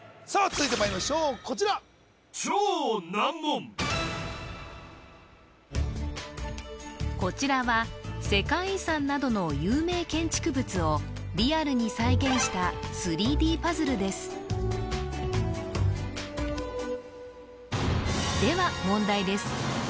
続いてまいりましょうこちらこちらは世界遺産などの有名建築物をリアルに再現したでは問題です